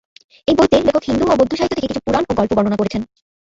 এই বইতে লেখক হিন্দু ও বৌদ্ধ সাহিত্য থেকে কিছু পুরাণ ও গল্প বর্ণনা করেছেন।